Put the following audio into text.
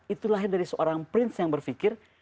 itu lahir dari seorang prince yang berpikir